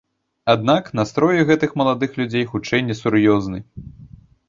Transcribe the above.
Аднак настрой гэтых маладых людзей хутчэй несур'ёзны.